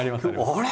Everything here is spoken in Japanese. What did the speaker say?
あれ？